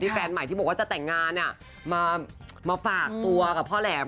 แฟนใหม่ที่บอกว่าจะแต่งงานมาฝากตัวกับพ่อแหลม